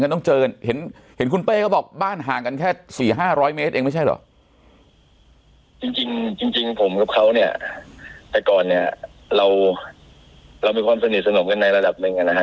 แต่ก่อนเนี่ยเรามีความสนิทสนมกันในระดับนึงอะนะฮะ